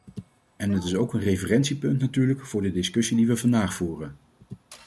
En het is ook een referentiepunt natuurlijk voor de discussie die we vandaag voeren.